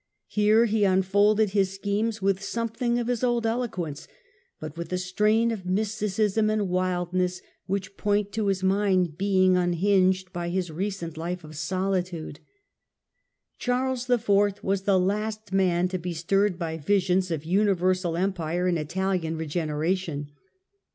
Charles • IV 13'iO Here he unfolded his schemes with something of his old " eloquence, but with a strain of mysticism and wildness which point to his mind being unhinged by his recent life of sohtude. Charles IV. was the last man to be stirred by visions of universal Empire and Italian re generation.